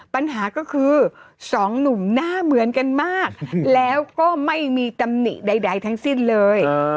ปัญหาก็คือสองหนุ่มหน้าเหมือนกันมากแล้วก็ไม่มีตำหนิใดทั้งสิ้นเลย